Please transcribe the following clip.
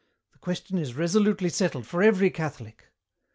The question is resolutely settled for every Catholic.